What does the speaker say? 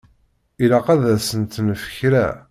Ilaq ad asen-nefk kra.